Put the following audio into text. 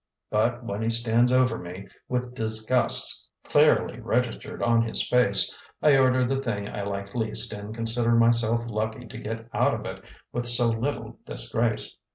But when he stands over me, with disgust clearly registered on his face, I order the thing I like least and consider myself lucky to get out of it with so little disgrace.